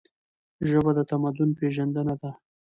ژبه د تمدن پیژندنه ده.